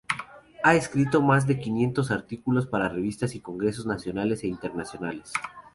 Ha escrito más de quinientos artículos para revistas y congresos nacionales e internacionales.